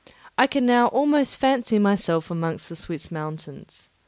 I could now almost fancy myself among the Swiss mountains.